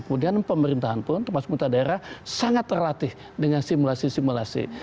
kemudian pemerintahan pun termasuk pemerintah daerah sangat terlatih dengan simulasi simulasi